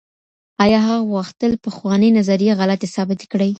آيا هغه غوښتل پخوانۍ نظريې غلطې ثابتې کړي؟